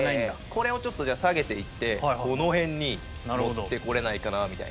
これをちょっと下げていってこの辺に持ってこれないかなみたいな。